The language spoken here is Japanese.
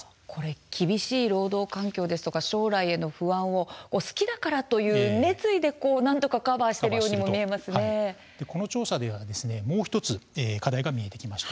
厳しい労働環境ですとか将来への不安を好きだからという熱意でなんとかカバーしているようにもこの調査ではもう１つ課題が見えてきました。